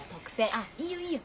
あっいいよいいよ。